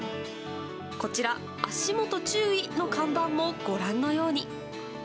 こちら、足元注意の看板もご覧のように。